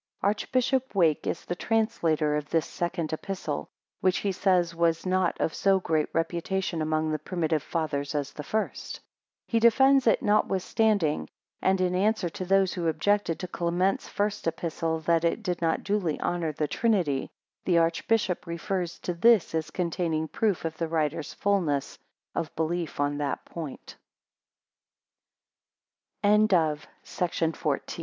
[Archbishop Wake is the translator of this Second Epistle, which he says was not of so great reputation among the primitive Fathers as the first. He defends it notwithstanding; and in answer to those who objected to Clement's First Epistle, that it did not duly honour the Trinity; the Archbishop refers to this as containing proof of the writer's fulne